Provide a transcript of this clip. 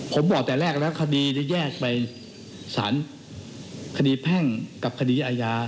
ผมบอกแต่แรกแล้วคดีได้แยกไปสารคดีแพ่งกับคดีอาญา